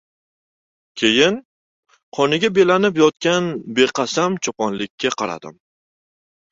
Keyin, qoniga belanib yotgan beqasam choponlikka qaradim.